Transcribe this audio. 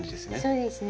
そうですね。